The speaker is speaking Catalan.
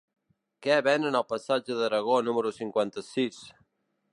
Què venen al passatge d'Aragó número cinquanta-sis?